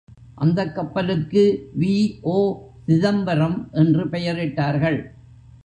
அந்தக் கப்பலுக்கு வி.ஓ.சிதம்பரம் என்று பெயரிட்டார்கள்.